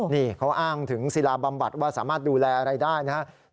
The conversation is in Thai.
นี่เขาอ้างถึงศิลาบำบัดว่าสามารถดูแลอะไรได้นะครับ